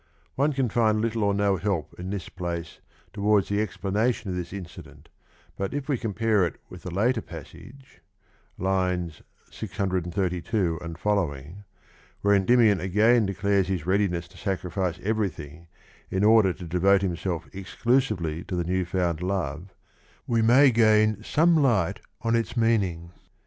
One can find little or no help in this place towards the explanation of this incident, but if we com pare with it a later passage (632 sq.), where Endymion again declares his readiness to sacrifice everything in order to devote himself exclusively to the new found love, we may gain some light on its meaning.